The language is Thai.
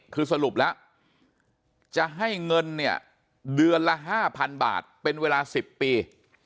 คือสรุปแล้วจะให้เงินเนี่ยเดือนละ๕๐๐๐บาทเป็นเวลา๑๐ปี